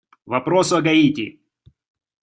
Вопрос о Гаити.